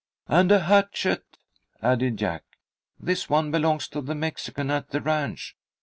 "And a hatchet," added Jack. "This one belongs to the Mexican at the ranch.